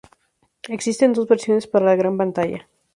Existen dos versiones para la gran pantalla.